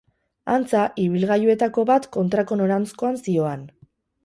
Antza, ibilgailuetako bat kontrako noranzkoan zihoan.